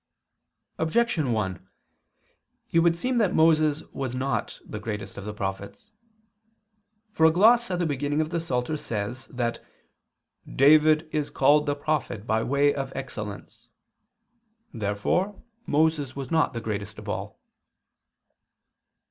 Objection 1: It would seem that Moses was not the greatest of the prophets. For a gloss at the beginning of the Psalter says that "David is called the prophet by way of excellence." Therefore Moses was not the greatest of all.